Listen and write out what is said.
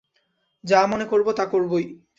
যা মনে করব, তা করবই।